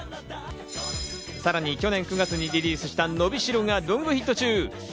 さらに去年９月にリリースした『のびしろ』がロングヒット中。